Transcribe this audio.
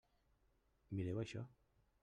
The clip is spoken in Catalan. Mireu això!